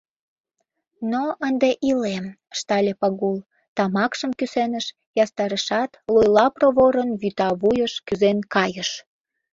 — Ну, ынде илем, — ыштале Пагул, тамакшым кӱсеныш ястарышат, луйла проворын вӱта вуйыш кӱзен кайыш.